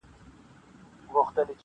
• خو دننه درد ژوندی وي تل..